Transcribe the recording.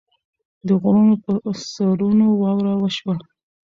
د غرونو پۀ سرونو واوره وشوه